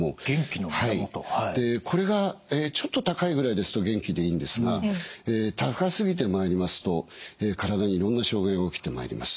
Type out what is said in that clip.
これがちょっと高いぐらいですと元気でいいんですが高すぎてまいりますと体にいろんな障害が起きてまいります。